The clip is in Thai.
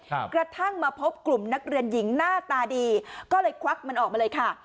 กระทั่งมาพบกลุ่มนักเรียนหญิงหน้าตาดีก็เลยควักมันออกมาเลยค่ะ